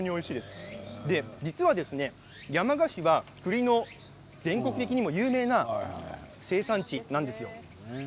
実は山鹿市は栗の全国的にも有名な生産地なんです。